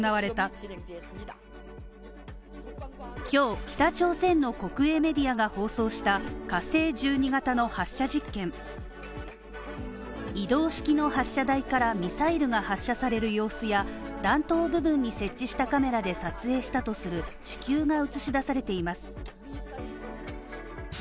今日北朝鮮の国営メディアが放送した火星１２型の発射実験を移動式の発射台からミサイルが発射される様子や弾頭部分に設置したカメラで撮影したとする地球が映し出されています。